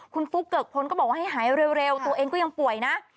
คุณฟุ๊กเกิกพลก็บอกว่าให้หายเร็วตัวเองก็ยังป่วยนะ